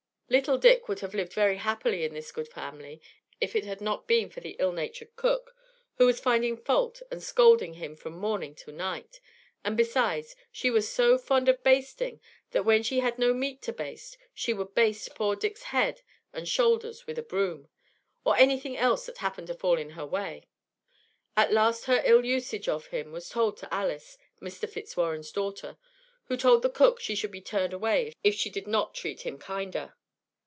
Little Dick would have lived very happy in this good family if it had not been for the ill natured cook, who was finding fault and scolding him from morning to night, and besides, she was so fond of basting, that when she had no meat to baste, she would baste poor Dick's head and shoulders with a broom, or anything else that happened to fall in her way. At last her ill usage of him was told to Alice, Mr. Fitzwarren's daughter, who told the cook she should be turned away if she did not treat him kinder.